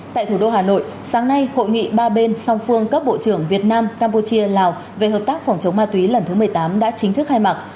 tại thủ đô hà nội sáng nay hội nghị ba bên song phương cấp bộ trưởng việt nam campuchia lào về hợp tác phòng chống ma túy lần thứ một mươi tám đã chính thức khai mạc